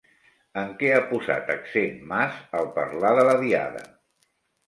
En què ha posat accent Mas al parlar de la Diada?